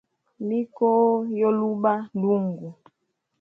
Mikoo yo luba lungu.